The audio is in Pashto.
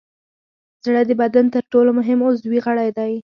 زړه د بدن تر ټولو مهم عضوي غړی دی.